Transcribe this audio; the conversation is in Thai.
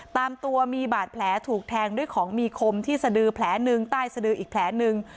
ตามตัวมีบาดแผลถูกแทงด้วยของมีคมที่สดือแผลหนึ่งใต้สะดืออีกแผลหนึ่ง